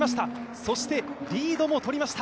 そしてリードもとりました。